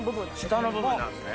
下の部分なんですね。